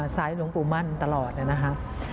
สายหลวงปู่มั่นตลอดนะครับ